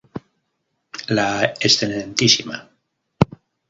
La Excma.